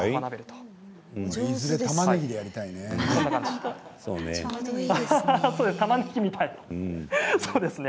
いずれたまねぎでやりたいね。